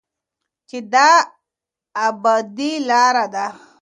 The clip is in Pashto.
چې د ابادۍ لاره ده.